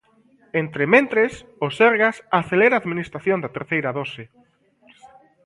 Entrementres, o Sergas acelera a administración da terceira dose.